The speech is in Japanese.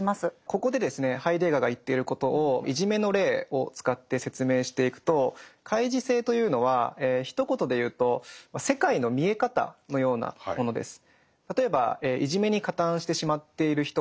ここでですねハイデガーが言っていることをいじめの例を使って説明していくと開示性というのはひと言でいうと世界の見え方のようなものです。